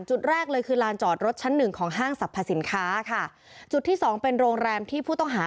จุดแรกเลยคือลานจอดรถชั้นหนึ่งของห้างสรรพสินค้าค่ะจุดที่สองเป็นโรงแรมที่ผู้ต้องหา